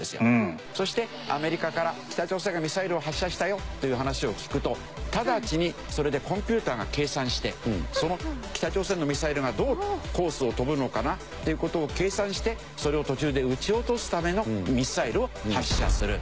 そしてアメリカから北朝鮮がミサイルを発射したよという話を聞くと直ちにそれでコンピューターが計算してその北朝鮮のミサイルがどうコースを飛ぶのかなという事を計算してそれを途中で撃ち落とすためのミサイルを発射する。